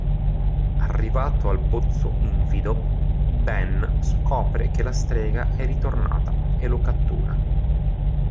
Arrivato al Pozzo Infido, Ben scopre che la strega è ritornata e lo cattura.